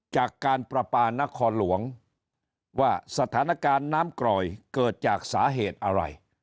จากการประปานครหลวงว่าสถานการณ์น้ำกรอยเกิดจากสาเหตุอะไร